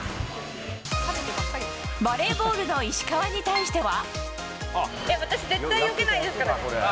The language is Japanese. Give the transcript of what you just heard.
バレーボールの石川に対しては。